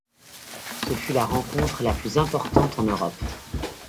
Ce fut la rencontre la plus importante en Europe.